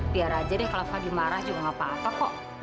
biar aja deh kalau pagi marah juga gak apa apa kok